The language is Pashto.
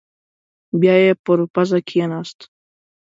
بيايې پر پزه کېناست.